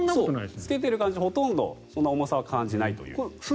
着けている感じはほとんど重さは感じないと。